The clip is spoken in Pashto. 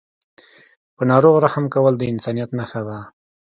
په ناروغ رحم کول د انسانیت نښه ده.